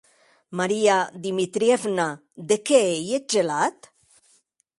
Maria Dmitrievna, de qué ei eth gelat?